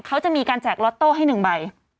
เขาจะมีการแจกล็อตโต้ให้๑ใบ